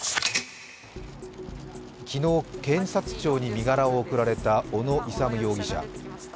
昨日、検察庁に身柄を送られた小野勇容疑者。